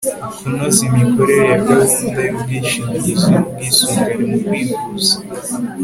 kunoza imikorere ya gahunda y'ubwishingizi n'ubwisungane mu kwivuza